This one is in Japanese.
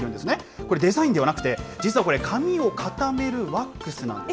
これ、デザインではなくて、実はこれ、髪を固めるワックスなんです。